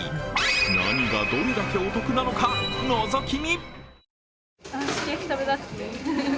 何がどれだけお得なのか、のぞき見！